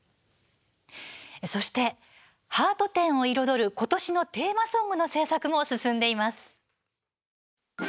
そして、ハート展を彩ることしのテーマソングの制作も進んでいます。